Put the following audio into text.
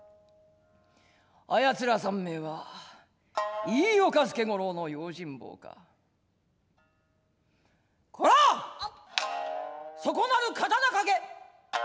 あやつら三名は飯岡助五郎の用心棒かこらっそこなる刀かけ！」。